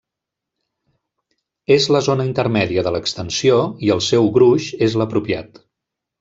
És la zona intermèdia de l'extensió i el seu gruix és l'apropiat.